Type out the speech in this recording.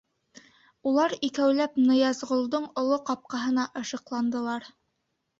Улар икәүләп Ныязғолдоң оло ҡапҡаһына ышыҡландылар.